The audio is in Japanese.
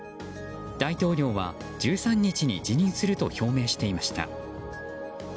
大統領は１３日に辞任すると表明していました。